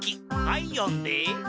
はい読んで。